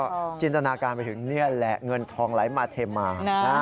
ก็จินตนาการไปถึงนี่แหละเงินทองไหลมาเทมา